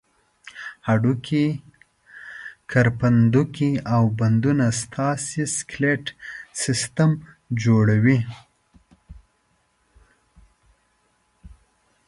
هډوکي، کرپندوکي او بندونه ستاسې سکلېټ سیستم جوړوي.